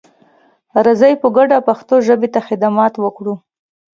راځئ په ګډه پښتو ژبې ته خدمت وکړو.